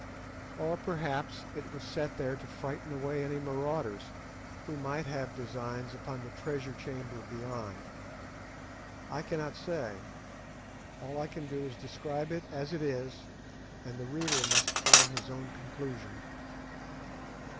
Or perhaps it was set there to frighten away any marauders who might have designs upon the treasure chamber beyond. I cannot say. All I can do is to describe it as it is, and the reader must form his own conclusion.